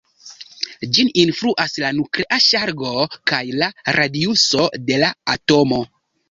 Ĝin influas la nuklea ŝargo kaj la radiuso de la atomo.